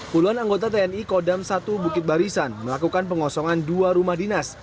puluhan anggota tni kodam satu bukit barisan melakukan pengosongan dua rumah dinas